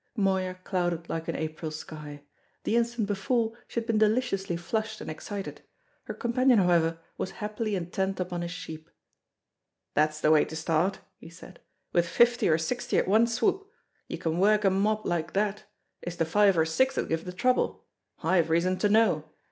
Moya clouded like an April sky; the instant before she had been deliciously flushed and excited. Her companion, however, was happily intent upon his sheep. "That's the way to start," he said, "with fifty or sixty at one swoop; you can work a mob like that; it's the five or six that give the trouble. I have reason to know!